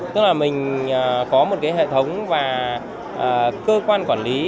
tức là mình có một cái hệ thống và cơ quan quản lý